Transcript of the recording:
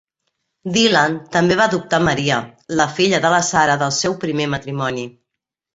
Dylan també va adoptar Maria, la filla de la Sara del seu primer matrimoni.